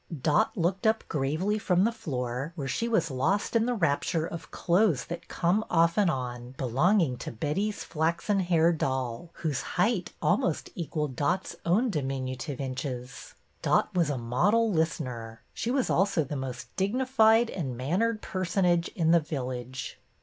'^ Dot looked up gravely from the floor, where she was lost in the rapture of clothes that come off and on belonging to Betty's flaxen haired doll, whose height almost equalled Dot's own diminutive inches. Dot was a model listener; she was also the most dignified and mannered personage in the village.